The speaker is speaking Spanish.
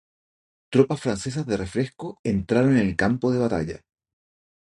Tropas francesas de refresco entraron en el campo de batalla.